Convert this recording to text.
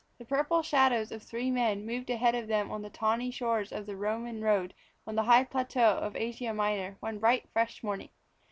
_ The purple shadows of three men moved ahead of them on the tawny stones of the Roman road on the high plateau of Asia Minor one bright, fresh morning.